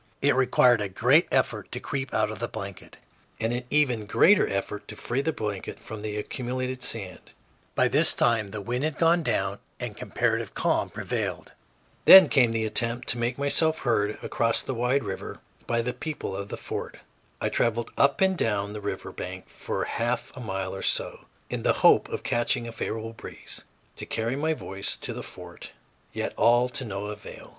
It required a great effort to creep out of the blanket, and an even greater effort to free the blanket from the accumulated sand. By this time the wind had gone down and comparative calm prevailed. [Illustration: I spent two hours calling across the river at the top of my voice.] Then came the attempt to make myself heard across the wide river by the people of the fort. I traveled up and down the river bank for half a mile or so, in the hope of catching a favorable breeze to carry my voice to the fort, yet all to no avail.